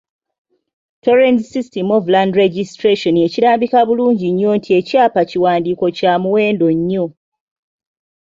"Torrens system of land registration" ekirambika bulungi nti ekyapa kiwandiiko kya muwendo nnyo.